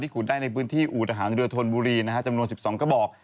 ขุดได้ในพื้นที่อูดทหารเรือธนบุรีจำนวน๑๒กระบอก